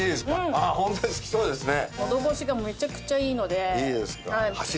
あっホントに好きそうですね。